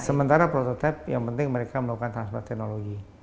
sementara prototipe yang penting mereka melakukan transfer teknologi